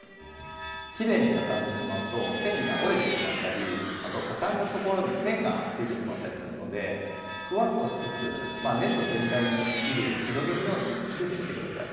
きれいにたたんでしまうと繊維が折れてしまったりあとたたんだところに線がついてしまったりするのでふわっとしつつネット全体に衣類を広げるように入れてみて下さい。